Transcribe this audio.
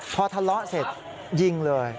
พอทะเลาะเสร็จยิงเลย